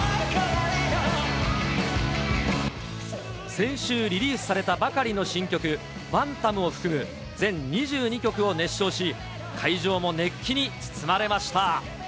先週、リリースされたばかりの新曲、ＢＡＮＴＡＭを含む、全２２曲を熱唱し、会場も熱気に包まれました。